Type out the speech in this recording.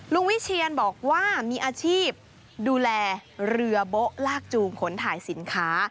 วิเชียนบอกว่ามีอาชีพดูแลเรือโบ๊ะลากจูงขนถ่ายสินค้า